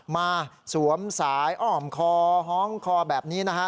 สวมสายอ้อมคอฮ้องคอแบบนี้นะฮะ